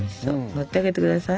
乗ってあげて下さい。